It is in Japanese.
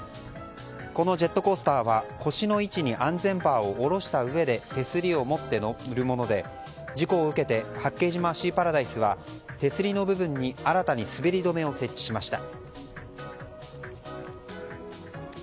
このジェットコースターは腰の位置に安全バーを下ろしたうえで手すりを持って乗るもので事故を受けて八景島シーパラダイスは手すりの部分に新たに滑り止めを設置しました。